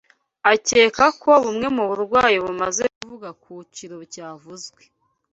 akekaho bumwe mu burwayi bumaze kuvugwa kuciro cyavuzwe